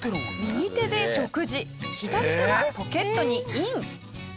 右手で食事左手はポケットにイン。